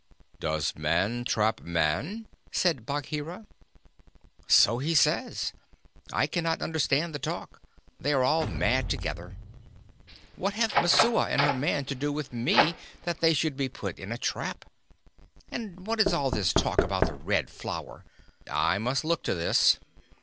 "Does Man trap Man?" said Bagheera. "So he says. I cannot understand the talk. They are all mad together. What have Messua and her man to do with me that they should be put in a trap; and what is all this talk about the Red Flower? I must look to this.